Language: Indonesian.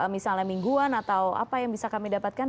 misalnya mingguan atau apa yang bisa kami dapatkan